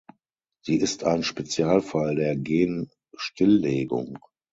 Sie ist ein Spezialfall der Gen-Stilllegung.